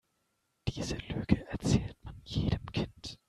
Diese Lüge erzählt man jedem Kind.